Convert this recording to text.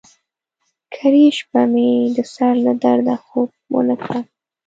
کرۍ شپه مې د سر له درده خوب ونه کړ.